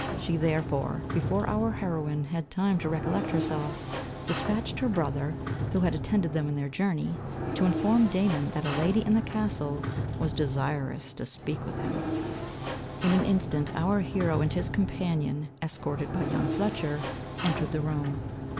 She therefore, before our heroine had time to recollect herself, dispatched her brother, who had attended them in their journey, to inform Damon that a lady in the castle was desirous to speak with him. In an instant our hero and his companion, escorted by young Fletcher, entered the room.